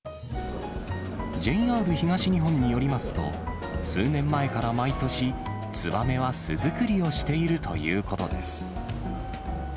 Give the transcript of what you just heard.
ＪＲ東日本によりますと、数年前から毎年、ツバメは巣作りをしているということです。